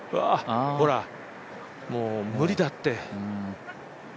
ほら、もう無理だって。